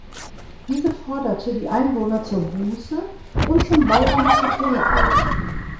Diese forderte die Einwohner zur Buße und zum Bau einer Kapelle auf.